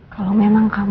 terima kasih lagi children